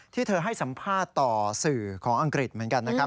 ที่เธอให้สัมภาษณ์ต่อสื่อของอังกฤษเหมือนกันนะครับ